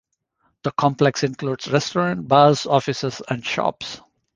The complex includes restaurants, bars, offices and shops.